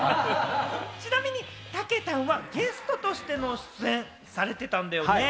ちなみにたけたんはゲストとしての出演されてたんだよね。